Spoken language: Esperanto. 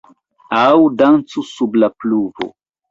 Aŭ dancu sub la pluvo!